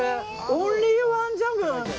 オンリーワンジャム。